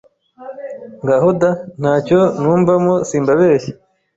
Ngaho da ntacyo numvamo simbabeshye